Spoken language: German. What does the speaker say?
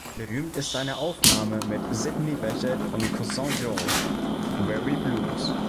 Berühmt ist seine Aufnahme mit Sidney Bechet und Cousin Joe, Weary Blues.